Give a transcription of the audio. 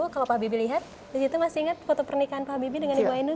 kalau pak bibi lihat di situ masih ingat foto pernikahan pak habibie dengan ibu ainun